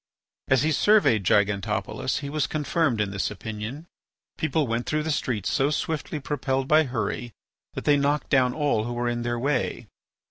As he surveyed Gigantopolis, he was confirmed in this opinion. People went through the streets so swiftly propelled by hurry that they knocked down all who were in their way.